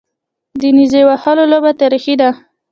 د نیزه وهلو لوبه تاریخي ده